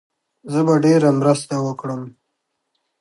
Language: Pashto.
زه به ډېره مرسته وکړم.